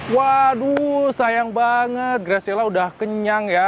waduh sayang banget gracilla udah kenyang ya